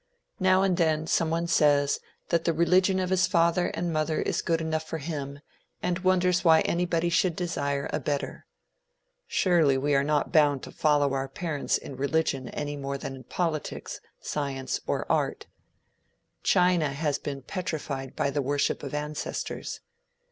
Now and then some one says that the religion of his father and mother is good enough for him, and wonders why anybody should desire a better. Surely we are not bound to follow our parents in religion any more than in politics, science or art. China has been petrified by the worship of ancestors.